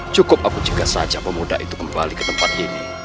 cukup aku juga saja memudah itu kembali ke tempat ini